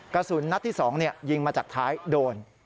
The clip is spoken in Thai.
กระสุนนัดที่๒ยิงมาจากท้ายโดน